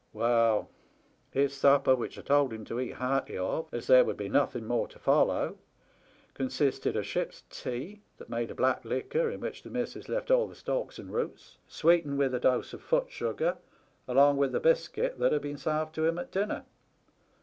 Well, his supper, which I told him to eat hearty of, as there would be nothen' more to follow, consisted of ship's tea, that made a black liquor in which the missis left all the stalks and roots, sweetened with a dose of foot sugar, along with the biscuit that had been sarved to him at dinner.